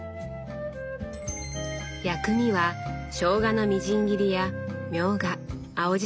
薬味はしょうがのみじん切りやみょうが青じそなどたっぷり。